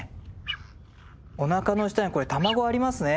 おなかの下にこれ卵ありますね。